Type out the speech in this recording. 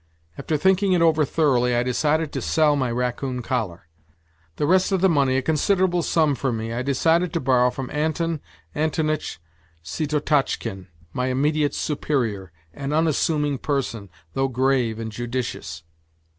After thinking it over thoroughly I decided to sell my raccoon collar. The rest of the money a considerable sum for me, I decided to borrow from Anton Antonitch Syetotchkin, my immediate superior, an unassuming person, though grave and judicious.